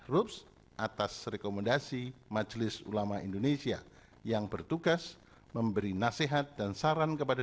rups atas rekomendasi majelis ulama indonesia yang bertugas memberi nasihat dan saran kepada